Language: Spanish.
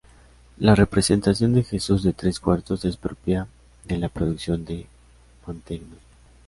La representación de Jesús de tres cuartos es propia de la producción de Mantegna.